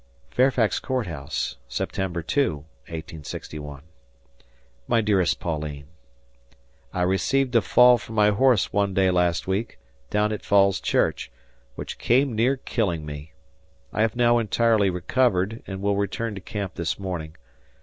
Fairfax Court House, September 2, 1861. My dearest Pauline: ... I received a fall from my horse one day last week, down at Falls Church, which came near killing me. I have now entirely recovered and will return to camp this morning.